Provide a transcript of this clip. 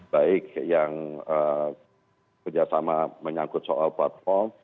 baik yang kerjasama menyangkut soal platform